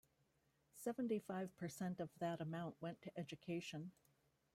Seventy-five percent of that amount went to education.